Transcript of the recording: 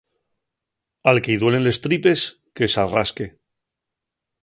Al que-y duelen les tripes que s'arrasque.